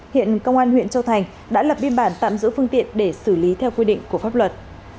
hiện công an huyện châu thành đã lập biên bản tạm giữ phương tiện để xử lý theo quy định của pháp luật